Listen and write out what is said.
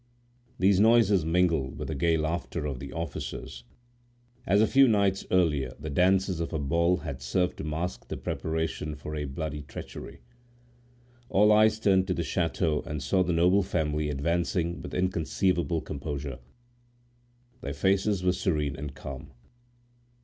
These noises mingled with the gay laughter of the officers, as a few nights earlier the dances of a ball had served to mask the preparations for a bloody treachery. All eyes turned to the chateau and saw the noble family advancing with inconceivable composure. Their faces were serene and calm.